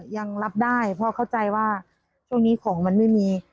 ยังรับได้เพราะเข้าใจว่าช่วงนี้ของมันไม่มี